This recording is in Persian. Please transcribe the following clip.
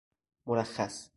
مرخص